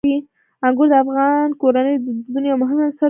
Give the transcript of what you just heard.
انګور د افغان کورنیو د دودونو یو مهم عنصر دی.